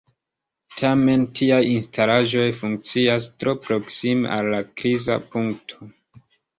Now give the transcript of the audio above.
Tamen tiaj instalaĵoj funkcias tro proksime al la kriza punkto.